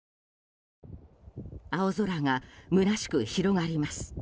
青空がむなしく広がります。